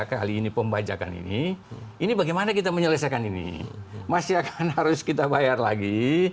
kali ini pembajakan ini ini bagaimana kita menyelesaikan ini masih akan harus kita bayar lagi